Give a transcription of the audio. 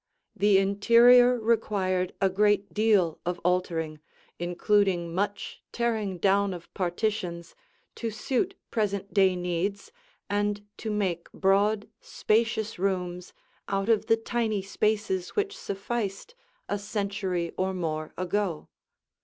The interior required a great deal of altering, including much tearing down of partitions to suit present day needs and to make broad, spacious rooms out of the tiny spaces which sufficed a century or more ago.